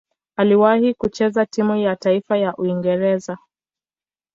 Aliwahi kucheza timu ya taifa ya Uingereza.